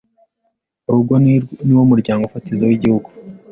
urugo ni rwo muryango fatizo w’Igihugu.